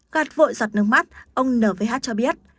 gạt vội giọt nước mắt ông n v h cho biết